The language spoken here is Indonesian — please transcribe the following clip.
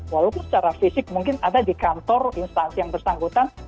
walaupun secara fisik mungkin ada di kantor instansi yang bersangkutan